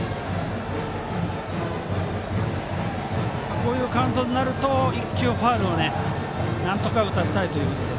このカウントになると１球ファウルをなんとか打たせたいということで。